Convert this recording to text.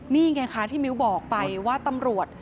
นี่ไงคะที่มิ้วบอกไปว่าตำรวจ